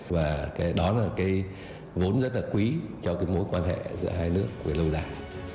và đó là cái vốn rất là quý cho cái mối quan hệ giữa hai nước về lâu dài